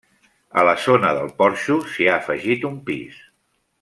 A la zona del porxo s'hi ha afegit un pis.